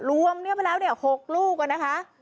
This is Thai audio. รวมเนี่ยไปแล้วเนี่ย๖ลูกอะนะคะ